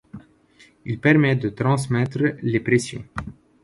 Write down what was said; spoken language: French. Il permet de transmettre les pressions.